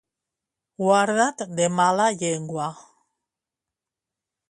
Guarda't de mala llengua.